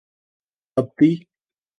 تبتی